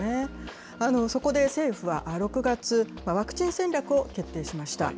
そこで政府は６月、ワクチン戦略を決定しました。